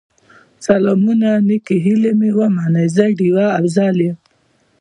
سلامونه نیکې هیلې مې ومنئ، زه ډيوه افضل یم